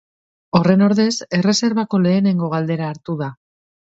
Horren ordez, erreserbako lehenengo galdera hartu da.